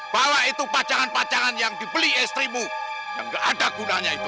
bawa itu pacangan pacangan yang dibeli istrimu yang tidak ada gunanya itu